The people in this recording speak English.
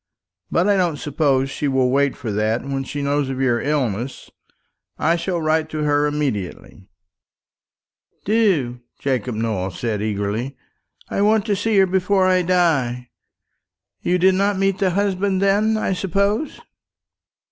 But I don't suppose she will wait for that when she knows of your illness. I shall write to her immediately." "Do," Jacob Nowell said eagerly; "I want to see her before I die. You did not meet the husband, then, I suppose?"